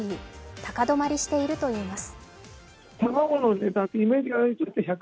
高止まりしているといいます。